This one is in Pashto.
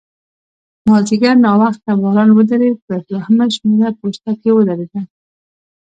مازیګر ناوخته باران ودرېد، په دوهمه شمېره پوسته کې ودرېدم.